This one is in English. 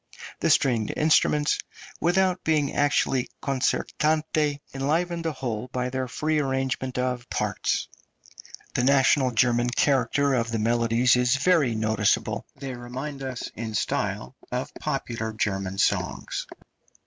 The stringed instruments, without being actually concertante, enliven the whole {DIVERTIMENTI, 1776 77.} (305) by their free arrangement of parts. The national German character of the melodies is very noticeable; they remind us in style of popular German songs.